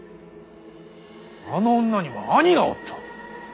あの女には兄がおった。